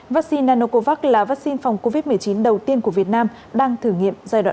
vaccine nanocovax là vaccine phòng covid một mươi chín đầu tiên của việt nam đang thử nghiệm giai đoạn ba